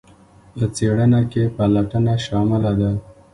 په څیړنه کې پلټنه شامله ده.